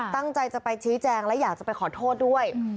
ตั้งใจจะไปชี้แจงและอยากจะไปขอโทษด้วย